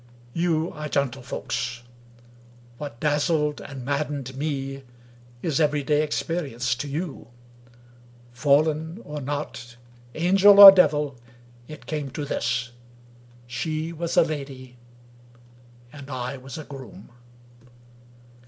You are gentle folks; what dazzled and maddened me, is everyday experience to you. Fallen or not, angel or devil, it came to this — she was a lady; and I was a groom.